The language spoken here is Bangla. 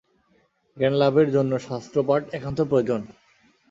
জ্ঞানলাভের জন্য শাস্ত্রপাঠ একান্ত প্রয়োজন।